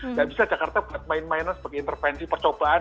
jangan bisa jakarta bermain mainan sebagai intervensi percobaan